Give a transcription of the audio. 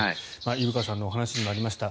伊深さんのお話にもありました。